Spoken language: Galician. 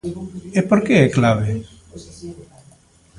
E por que é clave?